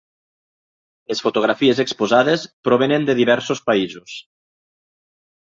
Les fotografies exposades provenen de diversos països